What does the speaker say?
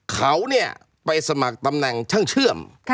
เขาเนี่ยไปสมัครตำแหน่งช่างเชื่อม